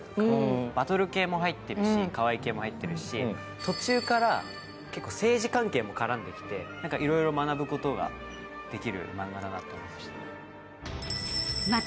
バトル系も入ってるしかわいい系も入ってるし途中から結構、政治関係も絡んできて、いろいろ学ぶことができる漫画だなと思いました。